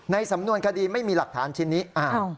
สำนวนคดีไม่มีหลักฐานชิ้นนี้